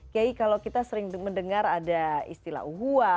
kayaknya kalau kita sering mendengar ada istilah huwa